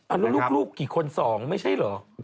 มาดูลูกลูกกี่คน๒ไม่ใช่เหรอ